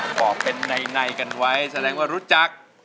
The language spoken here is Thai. ขอเป็นในกันไว้แสดงว่ารู้จัก